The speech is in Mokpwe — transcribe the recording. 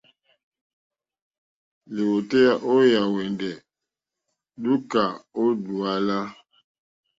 Lìwòtéyá ó yàwùndè lùúkà ó dùálá.